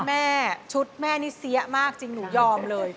แม่ชุดแม่นี่เสียมากจริงหนูยอมเลย